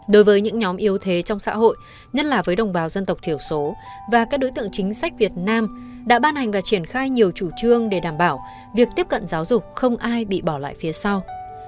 đối với những nhóm yếu thế trong xã hội nhất là với đồng bào dân tộc thiểu số và các đối tượng chính sách việt nam đã ban hành và triển khai nhiều chủ trương để đảm bảo việc tiếp cận giáo dục không ai bị bỏ lại phía sau